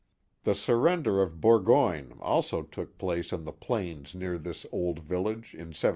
The surrender of Bur goyne also took place on the plains near this old village in 1777.